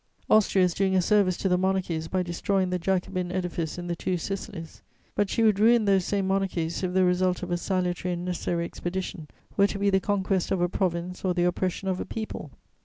"Austria is doing a service to the monarchies by destroying the Jacobin edifice in the Two Sicilies; but she would ruin those same monarchies if the result of a salutary and necessary expedition were to be the conquest of a province or the oppression of a people.